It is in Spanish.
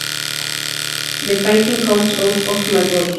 The painting comes out of my body.